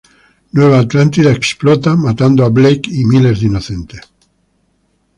Nueva Atlántida explota, matando a Blake y miles de inocentes.